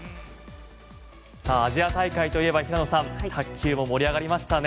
アジア大会といえば平野さん卓球も盛り上がりましたね。